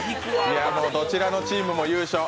どちらのチームも優勝。